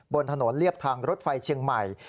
บนถนนเรียบทางรถไฟเชียงใหม่